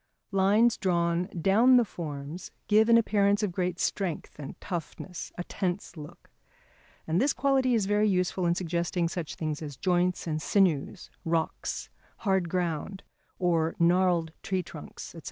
Lines drawn down the forms give an appearance of great strength and toughness, a tense look. And this quality is very useful in suggesting such things as joints and sinews, rocks, hard ground, or gnarled tree trunks, &c.